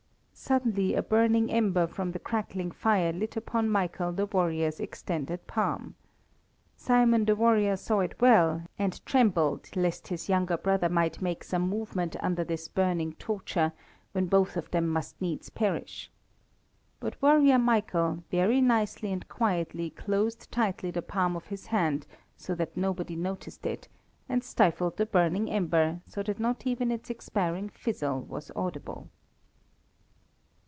Suddenly a burning ember from the crackling fire lit upon Michael the warrior's extended palm. Simon the warrior saw it well, and trembled lest his younger brother might make some movement under this burning torture, when both of them must needs perish. But warrior Michael, very nicely and quietly, closed tightly the palm of his hand, so that nobody noticed it, and stifled the burning ember so that not even its expiring fizzle was audible.